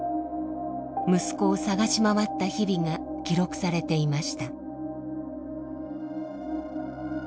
息子を捜し回った日々が記録されていました。